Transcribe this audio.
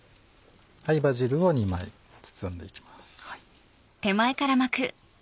バジルを２枚包んでいきます。